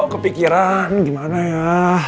kepikiran gimana ya